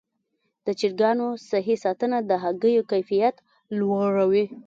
د چرګانو صحي ساتنه د هګیو کیفیت لوړوي.